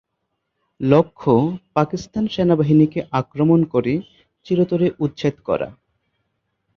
লক্ষ্য পাকিস্তান সেনাবাহিনীকে আক্রমণ করে চিরতরে উচ্ছেদ করা।